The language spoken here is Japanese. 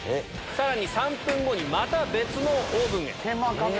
さらに３分後にまた別のオーブンへ。